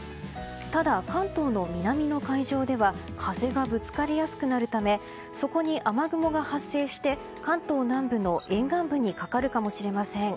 ただ、関東の南の海上では風がぶつかりやすくなるためそこに雨雲が発生して関東南部の沿岸部にかかるかもしれません。